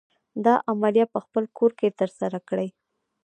دا عملیه په خپل کور کې تر سره کړئ.